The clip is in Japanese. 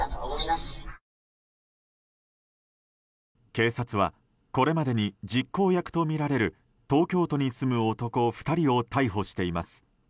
警察はこれまでに実行役とみられる東京都に住む男２人を逮捕しています。